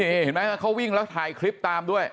นี่เห็นมั้ยคะเขาวิ่งแล้วถ่ายคลิปตามด้วย